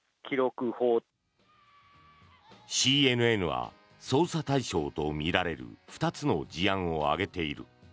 ＣＮＮは捜査対象とみられる２つの事案を挙げている。